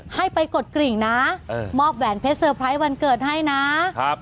ให้ไปกดกริ่งนะเออมอบแหวนเพชรเซอร์ไพรส์วันเกิดให้นะครับ